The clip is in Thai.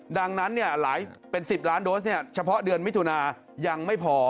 ดังนั้นหลายเป็น๑๐ล้านโดสเฉพาะเดือนมิถุนายังไม่พอ